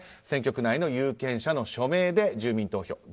選挙区内の有権者の署名で住民投票。